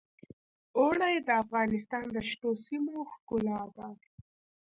اوړي د افغانستان د شنو سیمو ښکلا ده.